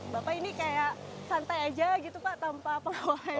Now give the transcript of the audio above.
bapak ini kayak santai aja gitu pak tanpa pengawasan